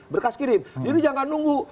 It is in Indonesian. berkas kirim jadi jangan nunggu